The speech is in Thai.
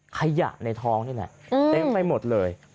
ขยะในท้องนี่แหละเต็มไปหมดเลย